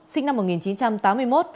sinh năm một nghìn chín trăm tám mươi một